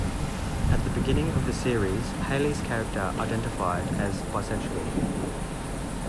At the beginning of the series, Hailey's character identified as bisexual.